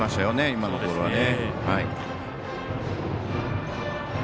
今のボールはね。